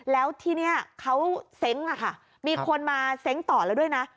แล้วที่นี่เขาเซ้งค่ะมีคนมาเซ้งต่อแล้วด้วยนะ